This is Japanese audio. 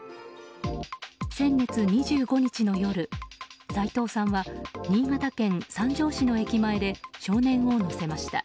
先月２５日の夜、斎藤さんは新潟県三条市の駅前で少年を乗せました。